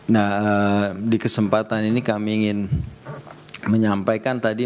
nah di kesempatan ini kami ingin menyampaikan tadi